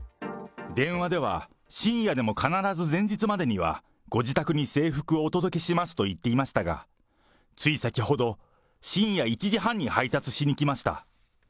電話では、深夜でも必ず前日までにはご自宅に制服をお届けしますと言っていましたが、つい先ほど、深夜１時半に配達しに来ました。